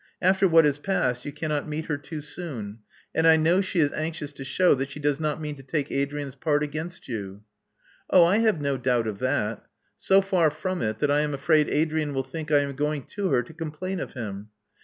After what has passed you cannot meet her too soon ; and I know she is anxious to shew that she does not mean to take Adrian's part against you." Oh, I have no doubt of that. So far from it, that I am afraid Adrian will think I am going to her to com plain of him.